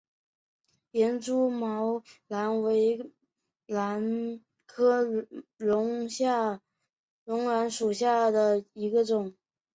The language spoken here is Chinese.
连珠绒兰为兰科绒兰属下的一个种。